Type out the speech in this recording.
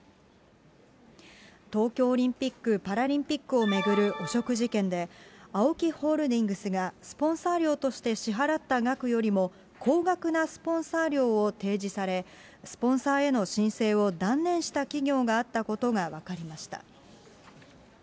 東京オリンピック・パラリンピックを巡る汚職事件で、ＡＯＫＩホールディングスがスポンサー料として支払った額よりも高額なスポンサー料を提示され、スポンサーへの申請を断念した企業があったことが分かりました。